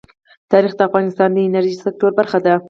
تاریخ د افغانستان د انرژۍ سکتور برخه ده.